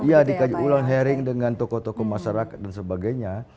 ya dikaji ulang hearing dengan tokoh tokoh masyarakat dan sebagainya